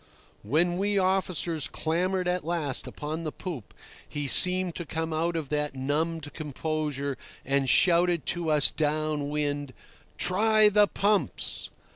When we officers clambered at last upon the poop, he seemed to come out of that numbed composure, and shouted to us down wind: "Try the pumps."